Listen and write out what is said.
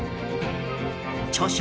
著書